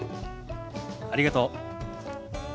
ありがとう。